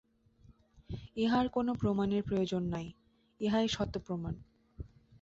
ইহার কোন প্রমাণের প্রয়োজন নাই, ইহা স্বতঃপ্রমাণ।